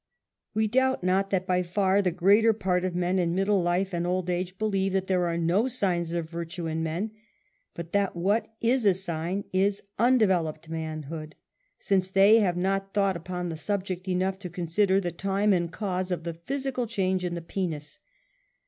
We doubt not that by far the greater part of men in middle life and old age, believe that there are no signs of virtue in men, but that what is a sign, is undeveloped manhood, since they have not thought upon the subject enough to consider the time and cause of the physical change in the penis.